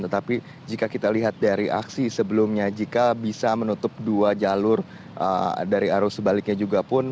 tetapi jika kita lihat dari aksi sebelumnya jika bisa menutup dua jalur dari arus sebaliknya juga pun